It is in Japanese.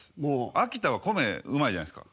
秋田は米うまいじゃないですか。